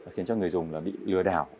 khiến cho người dùng bị lừa đảo